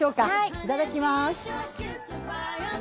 いただきます！